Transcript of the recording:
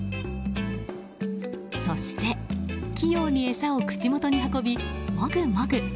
そして器用に餌を口元に運びもぐもぐ。